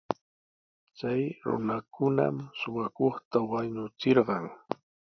Chay runakunam suqakuqta wañuchirqan.